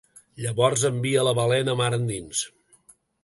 Llavors envia la balena mar endins.